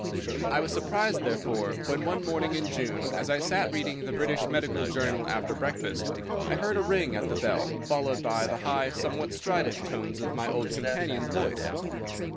I was surprised, therefore, when, one morning in June, as I sat reading the British Medical Journal after breakfast, I heard a ring at the bell, followed by the high, somewhat strident tones of my old companion's voice.